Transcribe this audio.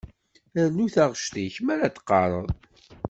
Rnu i taɣect-ik mi ara d-teqqareḍ.